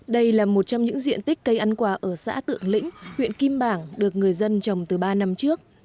đây là một trong những diện tích cây ăn quả ở xã tự lĩnh huyện kim bảng được người dân trồng từ ba năm trước